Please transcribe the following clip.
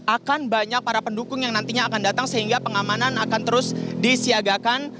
akan banyak para pendukung yang nantinya akan datang sehingga pengamanan akan terus disiagakan